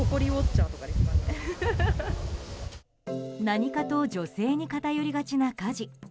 何かと女性に偏りがちな家事。